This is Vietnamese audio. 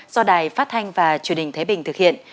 do đài phát thanh và truyền hình thế bình thực hiện